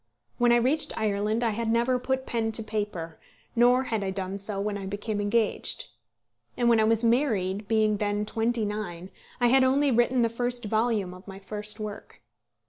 When I reached Ireland I had never put pen to paper; nor had I done so when I became engaged. And when I was married, being then twenty nine, I had only written the first volume of my first work.